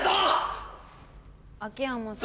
秋山さん。